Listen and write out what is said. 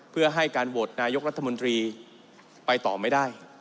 เพื่อให้การโหวตนายกรัฐมนตรีไปต่อไม่ได้